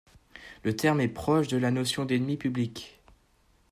Le terme est proche de la notion d'ennemi public.